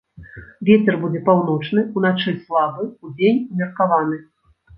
Вецер будзе паўночны, уначы слабы, удзень умеркаваны.